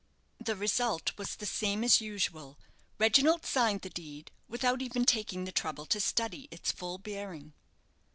The result was the same as usual. Reginald signed the deed, without even taking the trouble to study its full bearing.